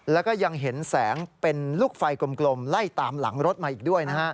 แล้วก็ยังเห็นแสงเป็นลูกไฟกลมไล่ตามหลังรถมาอีกด้วยนะฮะ